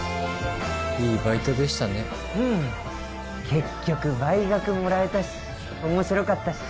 結局倍額もらえたし面白かったし。